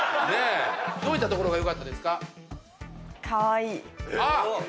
どういったところが良かったですか？